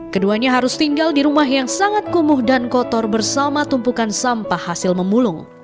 keduanya harus tinggal di rumah yang sangat kumuh dan kotor bersama tumpukan sampah hasil memulung